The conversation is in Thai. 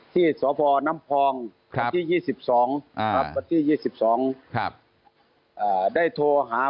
ที่สวภอนำพลองที่๒๒ที่๒๒ครับได้โทรหา